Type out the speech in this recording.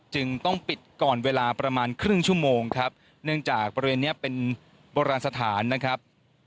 จึงต้องปิดก่อนเวลาประมาณครึ่งชั่วโมงครับเนื่องจากบริเวณนี้เป็นโบราณสถานนะครับ